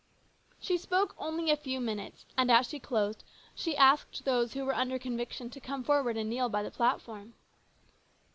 She spoke only a few minutes, and as she closed she asked those who were under conviction to come forward and kneel by the platform.